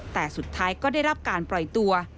แต่สุดท้ายก็ได้รับการปล่อยตัว